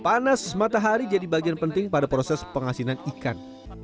panas matahari jadi bagian penting pada proses pengasinan ikan